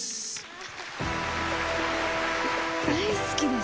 大好きです